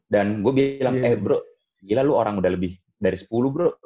dan gue bilang eh bro gila lu orang udah lebih dari sepuluh bro